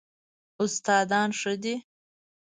استادان ښه دي؟